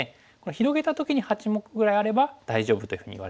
広げた時に８目ぐらいあれば大丈夫というふうにいわれてます。